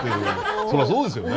そりゃそうですよね。